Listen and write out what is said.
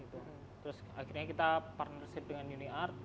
terus akhirnya kita partnership dengan uni art